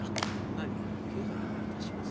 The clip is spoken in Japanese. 何やら気配がいたします。